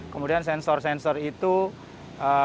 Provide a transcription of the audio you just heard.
kemudian sensor sensor itu masuk ke dalam